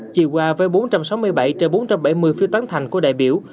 chỉ qua với bốn trăm sáu mươi bảy bốn trăm bảy mươi phiêu tán thành của đại biểu